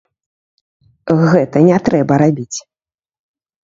Гэта не трэба рабіць.